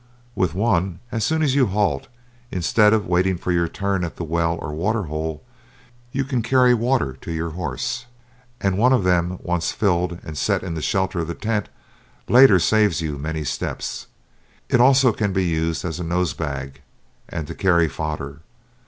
With one, as soon as you halt, instead of waiting for your turn at the well or water hole, you can carry water to your horse, and one of them once filled and set in the shelter of the tent, later saves you many steps. It also can be used as a nose bag, and to carry fodder.